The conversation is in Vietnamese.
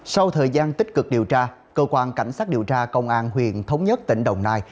sau thời gian tích cực điều tra cơ quan cảnh sát điều tra công an huyện thống nhất tỉnh đồng nai